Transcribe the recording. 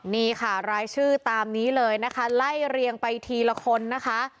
นี่ค่ะรายชื่อตามนี้เลยนะคะไล่เรียงไปทีละคนนะคะ